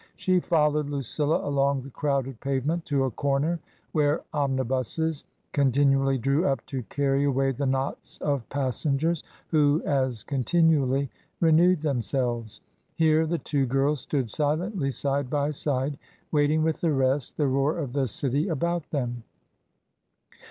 She followed Lucilla along the crowded pavement to a comer where omnibuses contin ually drew up to carry away the knots of passengers who, as continually, renewed themselves. Here the two girls stood silently side by side waiting with the rest, the roar of the city about them.